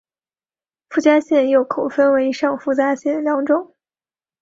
附加线又再可分为上附加线两种。